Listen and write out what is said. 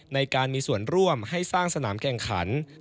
ในการมีส่วนร่วมให้สร้างสนามแข่งขัน